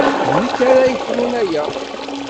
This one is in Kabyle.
D nekk ara yefrun aya.